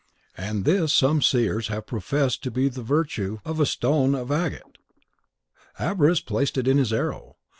And this some seers have professed to be the virtue of a stone of agate. Abaris placed it in his arrow.